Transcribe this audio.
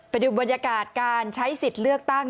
ไปดูบรรยากาศการใช้สิทธิ์เลือกตั้ง